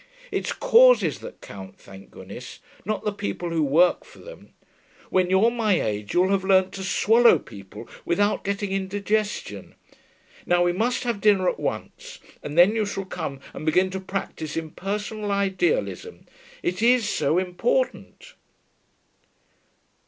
It's causes that count, thank goodness, not the people who work for them. When you're my age you'll have learnt to swallow people, without getting indigestion. Now we must have dinner at once, and then you shall come and begin to practise impersonal idealism. It is so important.'